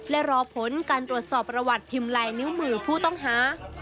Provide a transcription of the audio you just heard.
และรอผลการตรวจสอบประวัติพิมพ์ลายนิ้วมือผู้ต้องหา